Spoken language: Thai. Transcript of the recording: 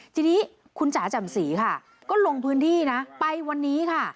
ทีนี้คุณจ๋าจำศรีค่ะก็ลงพื้นที่นะไปวันนี้ค่ะ